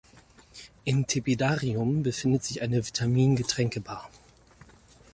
Im Tepidarium befindet sich eine Vitamin-Getränkebar.